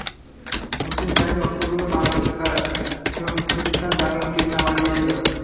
মুসলিম বাহিনীর অশ্বগুলো বালকার সীমান্ত, ফিলিস্তিনে দারূম কিল্লা মাড়িয়ে এল।